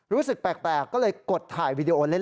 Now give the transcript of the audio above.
รู้สึกแปลกก็เลยกดถ่ายวีดีโอเล่น